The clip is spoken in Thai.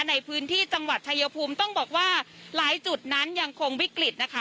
ในพื้นที่จังหวัดชายภูมิต้องบอกว่าหลายจุดนั้นยังคงวิกฤตนะคะ